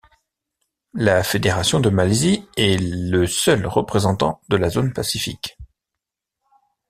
La Fédération de Malaisie est le seul représentant de la zone Pacifique.